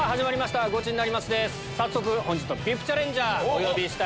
早速本日のＶＩＰチャレンジャーお呼びしたいと思います。